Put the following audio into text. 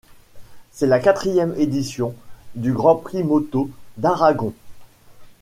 C'est la quatrième édition du Grand Prix moto d'Aragon.